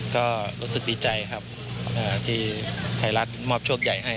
ก็รู้สึกดีใจครับที่ไทยรัฐมอบโชคใหญ่ให้